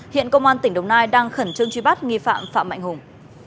hiện công an tỉnh đồng nai đang khẩn trương truy bắt nghi phạm phạm mạnh hùng